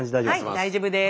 はい大丈夫です。